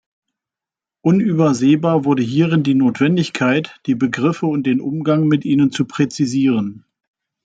Unübersehbar wurde hierin die Notwendigkeit, die Begriffe und den Umgang mit ihnen zu präzisieren.